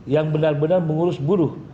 yang benar benar mengurus buruh